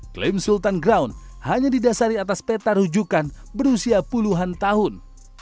klaim sultan ground hanya didasari atas peta rujukan berusia puluhan tahun